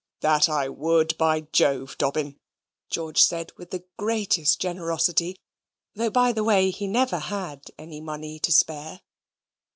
"That I would, by Jove, Dobbin," George said, with the greatest generosity, though by the way he never had any money to spare.